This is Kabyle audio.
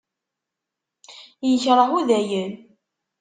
Yekreh Udayen.